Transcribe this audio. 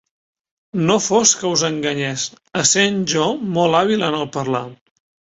No fos que us enganyés, essent jo molt hàbil en el parlar.